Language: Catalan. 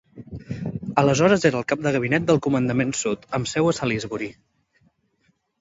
Aleshores era el cap de gabinet del Comandament Sud, amb seu a Salisbury.